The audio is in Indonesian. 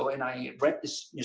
dan saya membaca di kisah ini